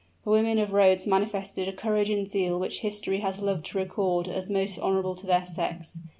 The women of Rhodes manifested a courage and zeal which history has loved to record as most honorable to their sex.